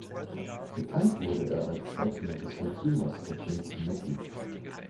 Bekannt wurde er als Zeichner des Hörzu-Maskottchens "Mecki".